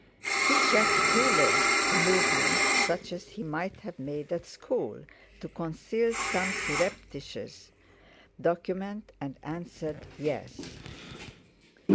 He checked, too late, a movement such as he might have made at school to conceal some surreptitious document, and answered: "Yes."